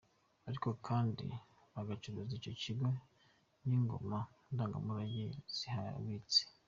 Ariko kandi bagacunga ico kigo n'ingoma ndangamurage zihabitse.